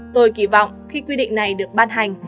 tôi kỳ vọng khi quy định này được ban hành